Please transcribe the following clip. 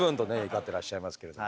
怒ってらっしゃいますけれども。